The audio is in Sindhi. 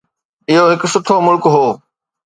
اهو هڪ سٺو ملڪ هو.